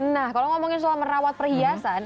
nah kalau ngomongin soal merawat perhiasan